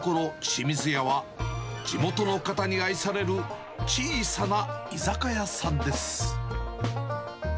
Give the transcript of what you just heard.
清水家は、地元の方に愛される小さな居酒屋さんです。